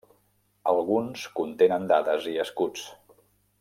Alguns contenen dades i escuts.